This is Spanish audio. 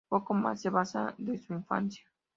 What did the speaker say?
Poco más se sabe de su infancia.